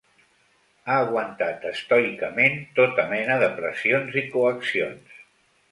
Ha aguantat estoicament tota mena de pressions i coaccions.